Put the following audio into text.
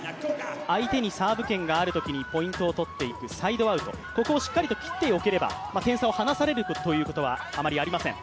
相手にサーブ権があるときにポイントを取っておくサイドアウト、ここをしっかり切れれば相手に点差を離されることはありません。